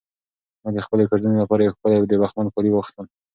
ما د خپلې کوژدنې لپاره یو ښکلی د بخمل کالي واخیستل.